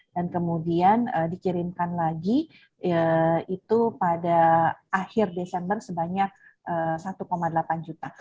dan kemudian dikirimkan lagi itu pada akhir desember sebanyak satu delapan juta